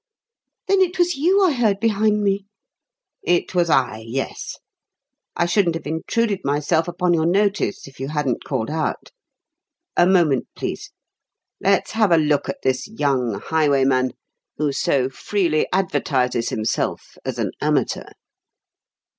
"Then it was you I heard behind me?" "It was I yes. I shouldn't have intruded myself upon your notice if you hadn't called out. A moment, please. Let's have a look at this young highwayman, who so freely advertises himself as an amateur."